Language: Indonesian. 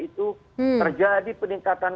itu terjadi peningkatan